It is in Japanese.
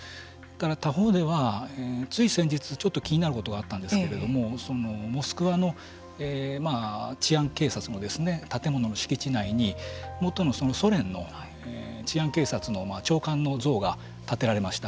他方ではつい先日ちょっと気になることがあったんですけれどもモスクワの治安警察が建物の敷地内に元のソ連の治安警察の長官の像が建てられました。